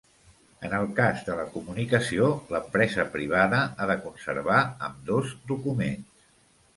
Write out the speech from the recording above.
En el cas de la comunicació, l'empresa privada ha de conservar ambdós documents.